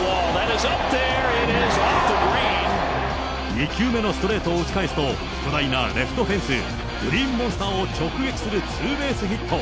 ２球目のストレートを打ち返すと、巨大なレフトフェンス、グリーンモンスターを直撃するツーベースヒット。